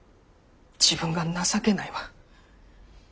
自分が情けないわ。